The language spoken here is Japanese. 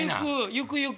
ゆくゆく。